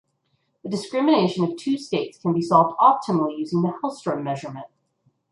The discrimination of two states can be solved optimally using the Helstrom measurement.